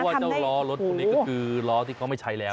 เพราะว่าเจ้าร้อรถคนนี้ก็คือร้อที่ก็ไม่ใช้แล้ว